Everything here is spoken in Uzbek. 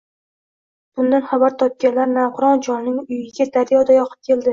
Bundan xabar topganlar navqiron cholning uyiga daryoday oqib keldi